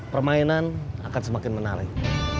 permainan akan semakin menarik